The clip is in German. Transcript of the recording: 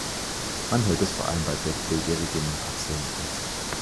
Man hört es vor allem bei bettlägerigen Patienten.